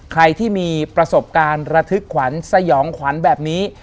ใครที่มีประสบการณ์ระทึกขวัญสยองขวัญแบบนี้